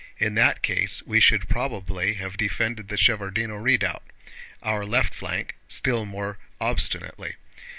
In that case we should probably have defended the Shevárdino Redoubt—our left flank—still more obstinately.